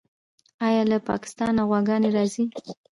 آیا له پاکستانه غواګانې راځي؟